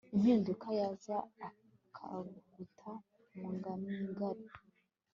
impinduka yaza akaguta mu nganigani